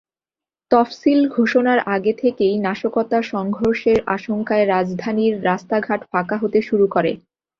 তফসিল ঘোষণার আগে থেকেই নাশকতা-সংঘর্ষের আশঙ্কায় রাজধানীর রাস্তাঘাট ফাঁকা হতে শুরু করে।